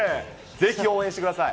ぜひ応援してください。